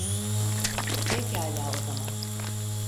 Pekala o zaman.